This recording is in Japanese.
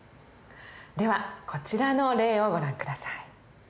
ではこちらの例をご覧下さい。